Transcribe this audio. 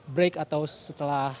break atau setelah